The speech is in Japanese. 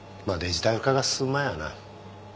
まあデジタル化が進む前はな。